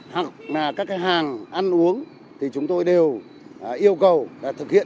hoặc là các cái hàng ăn uống thì chúng tôi đều yêu cầu thực hiện